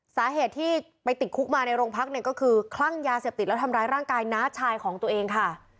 สาเหตุที่ไปติดคุกมาในโรงพักเนี่ยก็คือคลั่งยาเสพติดแล้วทำร้ายร่างกายน้าชายของตัวเองค่ะ